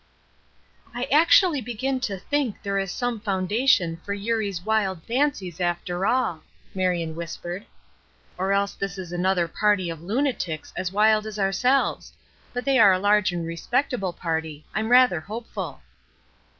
"I actually begin to think there is some foundation for Eurie's wild fancies after all," Marion whispered, "or else this is another party of lunatics as wild as ourselves; but they are a large and respectable party; I'm rather hopeful."